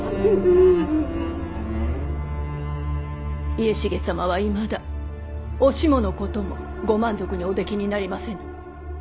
家重様はいまだお下のこともご満足におできになりませぬ。